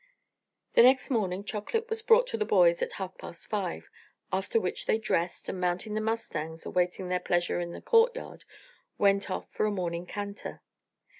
The next morning chocolate was brought to the boys at half past five, after which they dressed, and mounting the mustangs awaiting their pleasure in the courtyard, went off for a morning canter.